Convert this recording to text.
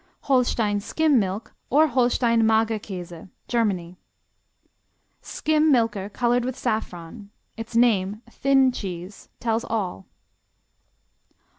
Holstein Skim Milk or Holstein Magerkäse Germany Skim milker colored with saffron. Its name, "thin cheese," tells all.